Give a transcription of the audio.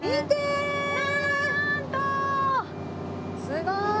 すごーい！